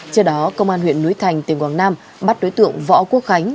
trước đó công an huyện núi thành tỉnh quảng nam bắt đối tượng võ quốc khánh